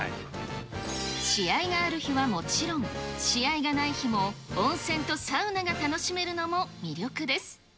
試合がある日はもちろん、試合がない日も温泉とサウナが楽しめるのも魅力です。